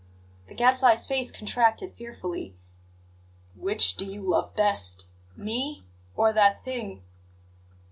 The Gadfly's face contracted fearfully. "Which do you love best, me or that thing?"